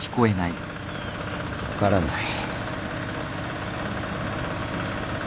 分からない。